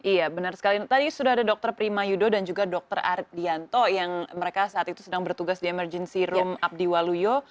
iya benar sekali tadi sudah ada dokter prima yudo dan juga dokter arief dianto yang mereka saat itu sedang bertugas di emergency room abdi waluyo